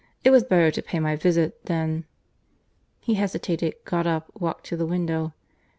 It was better to pay my visit, then"— He hesitated, got up, walked to a window.